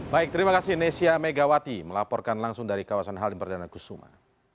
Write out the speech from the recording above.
baik terima kasih nesya megawati melaporkan langsung dari kawasan halim perdana kusuma